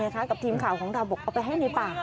กับทีมข่าวของเราบอกเอาไปให้ในป่า